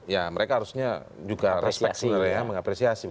ya mereka harusnya juga respek sebenarnya ya mengapresiasi